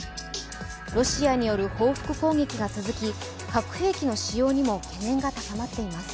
ロシアによる報復攻撃が続き、核兵器の使用にも懸念が高まっています。